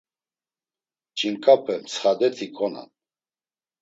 Ç̌inǩape mtsxadeti konan.